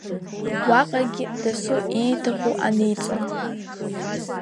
Уаҟагьы дасу ииҭаху аниҵон.